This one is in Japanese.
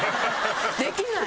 できない！